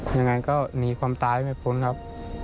ยังไงก็หนีความตายไม่พ้นครับ